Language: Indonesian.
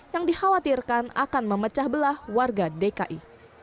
yang dikhawatirkan akan memecah belah warga dki